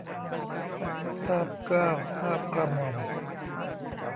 ทราบเกล้าทราบกระหม่อม